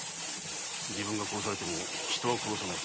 自分が殺されても人は殺さない。